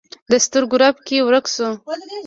د سترګو رپ کې ورک شو